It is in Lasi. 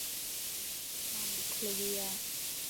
مان ٻک لڳي ا.